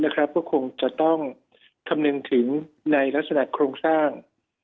ก็คงจะต้องคำนึงถึงในลักษณะโครงสร้าง